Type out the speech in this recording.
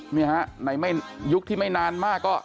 นี่ฮะในยุคที่ไม่นานมากก็